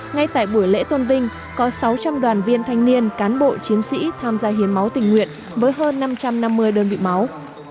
ngay tại buổi lễ tôn vinh có sáu trăm linh đoàn viên thanh niên cán bộ chiến sĩ tham gia hiến máu tình nguyện với hơn năm trăm năm mươi đơn vị máu